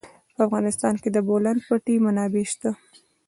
په افغانستان کې د د بولان پټي منابع شته.